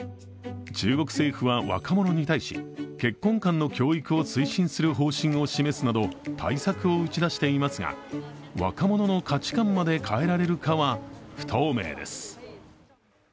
中国政府は若者に対し、結婚観の教育を推進する方針を示すなど対策を打ち出していますが若者の価値観まで変えられるかは不透明です。